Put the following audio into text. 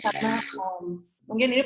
karena mungkin ini